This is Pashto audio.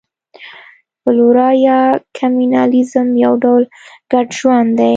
فلورا یا کمېنسالیزم یو ډول ګډ ژوند دی.